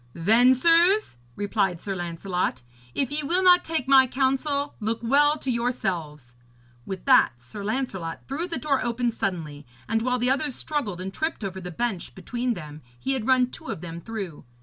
'Then, sirs,' replied Sir Lancelot, 'if ye will not take my counsel, look well to yourselves.' With that Sir Lancelot threw the door open suddenly, and while the others struggled and tripped over the bench between them he had run two of them through.